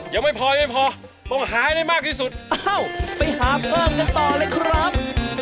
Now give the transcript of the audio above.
ยังไม่พอยังพอต้องหาให้ได้มากที่สุดอ้าวไปหาเพิ่มกันต่อเลยครับ